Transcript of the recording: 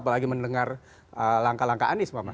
apalagi mendengar langkah langkah anies pak mak